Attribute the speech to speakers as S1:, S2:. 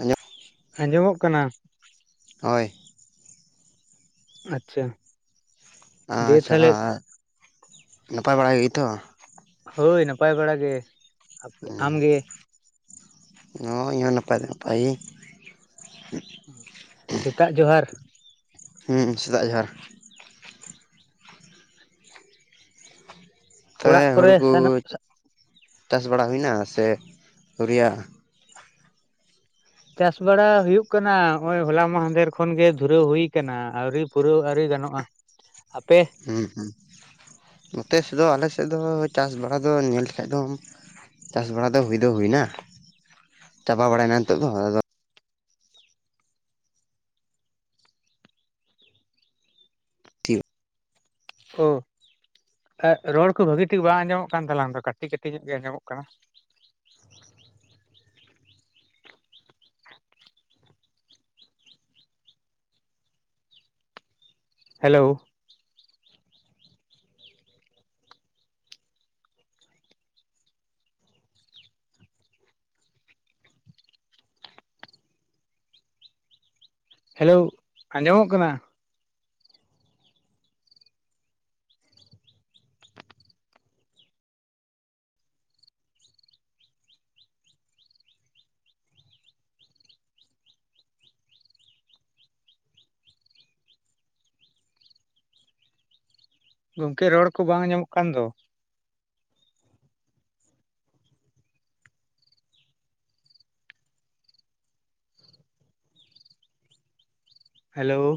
S1: ᱟᱸᱡᱚᱢ
S2: ᱟᱸᱡᱚᱢᱚᱜ ᱠᱟᱱᱟ ᱾
S1: ᱦᱳᱭ ᱾
S2: ᱟᱪᱪᱷᱟ ᱾
S1: ᱟᱪᱪᱷᱟ, ᱟᱨ ᱱᱟᱯᱟᱭ ᱵᱟᱲᱟ ᱜᱮᱛᱚ?
S2: ᱦᱳᱭ ᱱᱟᱯᱟᱭ ᱵᱟᱲᱟ ᱜᱮ ᱾
S1: ᱚ ᱤᱧ ᱦᱚᱸ ᱱᱟᱯᱟᱭ ᱫᱚ ᱱᱟᱯᱟᱭ ᱜᱮ ᱾
S2: ᱥᱮᱛᱟᱜ ᱡᱚᱦᱟᱨ ᱾
S1: ᱦᱮᱸ ᱥᱮᱛᱟᱜ ᱡᱚᱦᱟᱨ ᱾ ᱛᱚᱵᱮ
S2: ᱚᱲᱟᱜ
S1: ᱦᱩᱲᱩ
S2: ᱠᱚᱨᱮ
S1: ᱠᱚ
S2: ᱥᱟᱱᱟᱢ
S1: ᱪᱟᱥ ᱵᱟᱲᱟ ᱦᱩᱭ ᱮᱱᱟ ᱥᱮ ᱟᱹᱣᱨᱤ-ᱭᱟ?
S2: ᱪᱟᱥ ᱵᱟᱲᱟ ᱦᱩᱭᱩᱜ ᱠᱟᱱᱟ ᱱᱚᱜ-ᱚᱭ ᱦᱚᱞᱟ ᱢᱟᱦᱟᱫᱮᱨ ᱠᱷᱚᱱ ᱜᱮ ᱫᱷᱩᱨᱟᱹᱣ ᱦᱩᱭ ᱟᱠᱟᱱᱟ ᱟᱹᱣᱨᱤ ᱯᱩᱨᱟᱹᱣ ᱟᱹᱣᱨᱤ ᱜᱟᱱᱚᱜ -ᱟ ᱜᱟᱱᱚᱜᱼᱟ ᱾ ᱟᱯᱮ?
S1: ᱦᱩᱸ ᱦᱩᱸ ᱱᱚᱛᱮ ᱥᱮᱫ ᱫᱚ ᱟᱞᱮ ᱥᱮᱫ ᱫᱚ ᱪᱟᱥ ᱵᱟᱲᱟ ᱫᱚ ᱧᱮᱞ ᱞᱮᱠᱷᱟᱡ ᱫᱚᱢ ᱪᱟᱥ ᱵᱟᱲᱟ ᱫᱚ ᱦᱩᱭ ᱫᱚ ᱦᱩᱭ ᱮᱱᱟ ᱪᱟᱵᱟ ᱵᱟᱲᱟᱭᱮᱱᱟ ᱱᱤᱛᱚᱜ ᱫᱚ ᱟᱫᱚ [unintelligible]
S2: ᱚ ᱨᱚᱲ ᱠᱚ ᱵᱷᱟᱜᱤ ᱴᱷᱤᱠ ᱵᱟᱝ ᱟᱸᱡᱚᱢᱚᱜ ᱠᱟᱱ ᱛᱟᱞᱟᱝ ᱫᱚ ᱠᱟᱹᱴᱤ ᱠᱟᱹᱴᱤ ᱧᱚᱜ ᱜᱮ ᱟᱸᱡᱚᱢᱚᱜ ᱠᱟᱱᱟ ᱾ ᱦᱮᱞᱳᱣ ᱾ ᱦᱮᱞᱳᱣ ᱟᱸᱡᱚᱢᱚᱜ ᱠᱟᱱᱟ? ᱜᱚᱢᱠᱮ ᱨᱚᱲ ᱠᱚ ᱵᱟᱝ ᱟᱸᱡᱚᱢᱚᱜ ᱠᱟᱱ ᱫᱚ? ᱦᱮᱞᱳᱣ ᱾